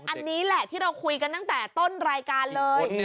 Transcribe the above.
อันนี้แหละที่เราคุยกันตั้งแต่ต้นรายการเลย